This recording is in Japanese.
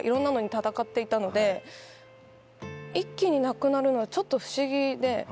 一気になくなるのはちょっと不思議で。